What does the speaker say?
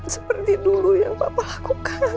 seperti dulu yang bapak lakukan